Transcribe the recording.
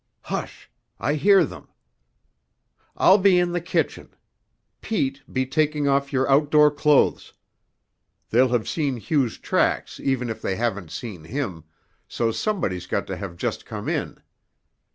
Hush! I hear them. I'll be in the kitchen. Pete, be taking off your outdoor clothes. They'll have seen Hugh's tracks even if they haven't seen him, so somebody's got to have just come in.